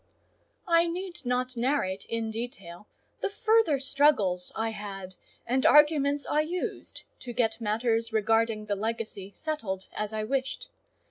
I need not narrate in detail the further struggles I had, and arguments I used, to get matters regarding the legacy settled as I wished.